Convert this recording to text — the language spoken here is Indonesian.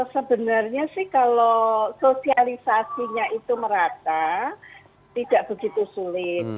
sebenarnya sih kalau sosialisasinya itu merata tidak begitu sulit